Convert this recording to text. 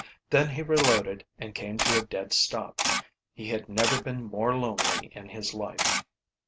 Then he reloaded and came to a dead stop. He had never been more lonely in his life.